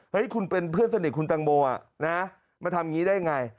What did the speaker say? คุณเป็นเพื่อนสนิทคุณตังโมนะมาทำอย่างนี้ได้ยังไง